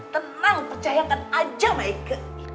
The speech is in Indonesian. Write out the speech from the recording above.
tenang percayakan aja ma eike